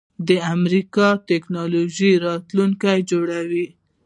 د امریکایی ټیکنالوژۍ راتلونکی جوړول